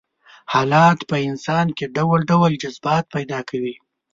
حالات په انسان کې ډول ډول جذبات پيدا کوي.